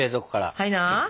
はいな。